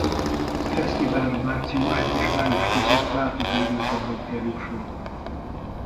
A fesztiválra március és május között változó időpontban kerül sor.